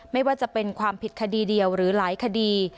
ไม่ว่าจะเป็นความผิดคดีเดียวหรือหลายคดี